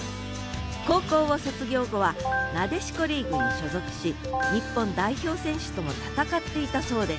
高校を卒業後はなでしこリーグに所属し日本代表選手とも戦っていたそうです。